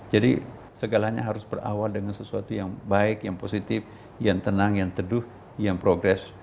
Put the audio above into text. jadi segalanya harus berawal dengan sesuatu yang baik yang positif yang tenang yang teduh dan progress